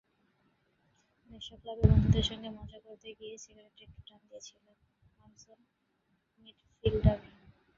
নৈশক্লাবে বন্ধুদের সঙ্গে মজা করতে গিয়ে সিগারেটে একটু টান দিয়েছিলেন আর্সেনাল মিডফিল্ডার।